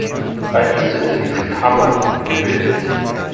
Bei ihm sind fünf Kammern gebildet.